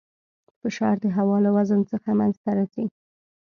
فشار د هوا له وزن څخه منځته راځي.